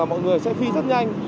mọi người sẽ phi rất nhanh